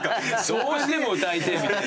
どうしても歌いてえみたいな。